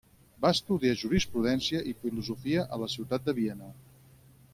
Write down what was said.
Va estudiar Jurisprudència i Filosofia a la ciutat de Viena.